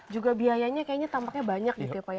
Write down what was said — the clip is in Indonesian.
juga biayanya kayaknya tampaknya banyak gitu ya pak ya